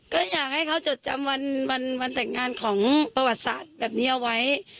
ก็อยากให้เขาจดจำวันแต่งงานของประวัติศาสตร์แบบนี้เอาไว้